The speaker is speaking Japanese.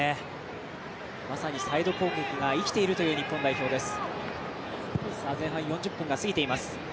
まさに、サイド攻撃が生きているという日本です。